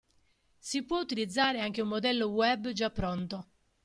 Si può utilizzare anche un modello web già pronto.